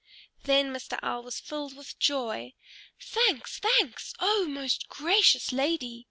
Then Mr. Owl was filled with joy. "Thanks, thanks, O most gracious lady!"